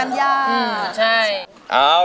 อ่าขามาก